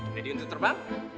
daddy untuk terbang